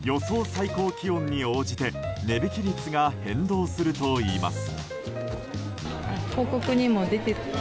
最高気温に応じて値引き率が変動するといいます。